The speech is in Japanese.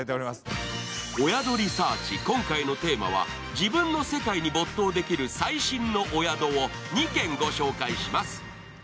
今回のテーマは自分の世界に没頭できる最新のお宿を２軒ご紹介します。